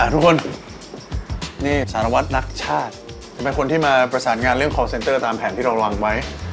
ทุกคนนี่สารวัตรนักชาติจะเป็นคนที่มาประสานงานเรื่องคอร์เซนเตอร์ตามแผนที่เราวางไว้